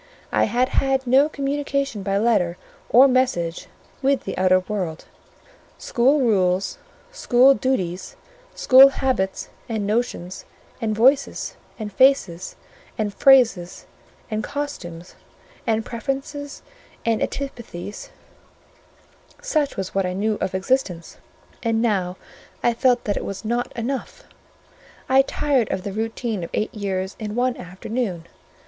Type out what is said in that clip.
I had had no communication by letter or message with the outer world: school rules, school duties, school habits and notions, and voices, and faces, and phrases, and costumes, and preferences, and antipathies—such was what I knew of existence. And now I felt that it was not enough; I tired of the routine of eight years in one afternoon.